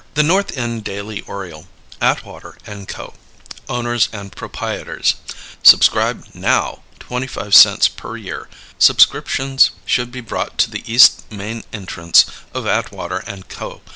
THE NORTH END DAILY ORIOLE Atwater & Co., Owners & Propietors Subscribe NOW 25 cents Per. Year. Sub scriptions should be brought to the East Main Entrance of Atwater & Co.